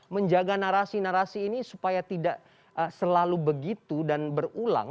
menjaga narasi narasi ini supaya tidak selalu begitu dan berulang